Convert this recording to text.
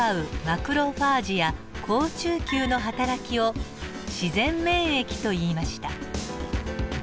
マクロファージや好中球のはたらきを自然免疫といいました。